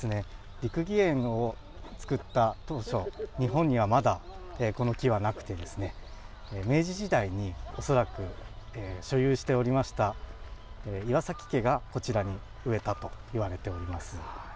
六義園を作った当初日本にはまだこの木はなくて明治時代に、恐らく所有しておりました岩崎家がこちらに植えたといわれております。